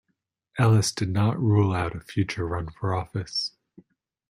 Ellis did not rule out a future run for office.